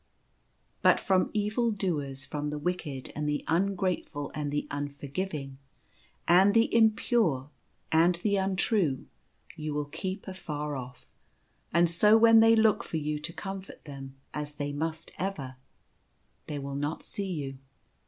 " But from evil doers — from the wicked, and the un grateful, and the unforgiving, and the impure, and the untrue you will keep afar off; and so when they look for you to comfort them — as they must ever — they will not see you.